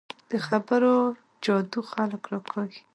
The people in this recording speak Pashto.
د خبرو جادو خلک راکاږي